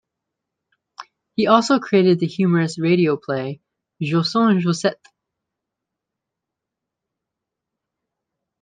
He also created the humorous radio play, "Joson Josette".